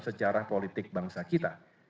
sejarah politik bangsa kita